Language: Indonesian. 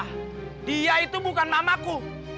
karena dia itu bukan mamaku